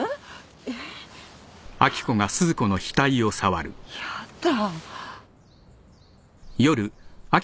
えっ？やだ！